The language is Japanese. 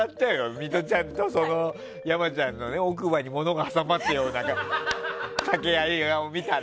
ミトちゃんと山ちゃんの奥歯にものが挟まってるような掛け合いを見たら。